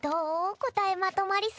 こたえまとまりそう？